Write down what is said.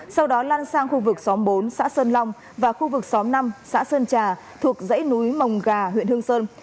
sau đó lan sang khu vực xóm bốn xã sơn long và khu vực xóm năm xã sơn trà thuộc dãy núi mồng gà huyện hương sơn